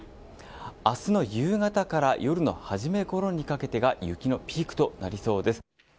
明日の夕方から夜のはじめごろにかけてが雪のピークとなりそうです。